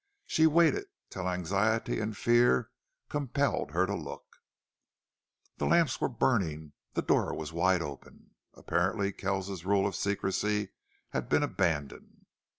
She waited till anxiety and fear compelled her to look. The lamps were burning; the door was wide open. Apparently Kells's rule of secrecy had been abandoned.